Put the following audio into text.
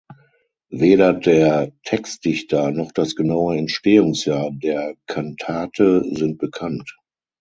Weder der Textdichter noch das genaue Entstehungsjahr der Kantate sind bekannt.